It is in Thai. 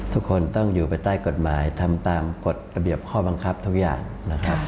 ทุกคนต้องอยู่ไปใต้กฎหมายทำตามกฎระเบียบข้อบังคับทุกอย่างนะครับ